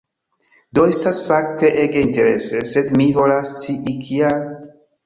Do, estas fakte ege interese, sed mi volas scii kial?